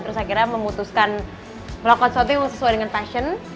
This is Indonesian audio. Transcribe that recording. terus akhirnya memutuskan melakukan sesuai dengan fashion